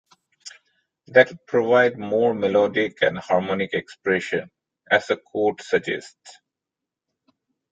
That would provide more melodic and harmonic expression, as the quote suggests.